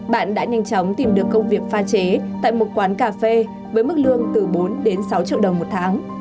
bạn đã nhanh chóng tìm được công việc pha chế tại một quán cà phê với mức lương từ bốn đến sáu triệu đồng một tháng